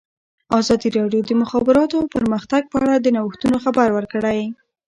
ازادي راډیو د د مخابراتو پرمختګ په اړه د نوښتونو خبر ورکړی.